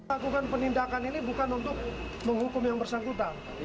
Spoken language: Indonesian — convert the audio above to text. lakukan penindakan ini bukan untuk menghukum yang bersangkutan